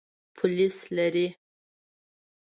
پولیس لري.